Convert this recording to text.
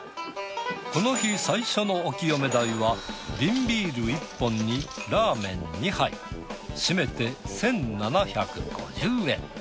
この日最初のお清め代は瓶ビール１本にラーメン２杯しめて１，７５０円。